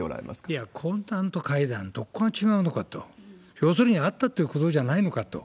いや、懇談と会談、どこが違うのかと、要するに会ったということじゃないのかと。